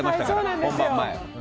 本番前。